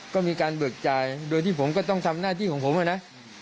ก็มีการเบิกจ่ายโดยที่ผมก็ต้องทำหน้าที่ของผมนะ